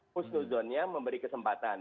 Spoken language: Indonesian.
kusnuzonnya memberi kesempatan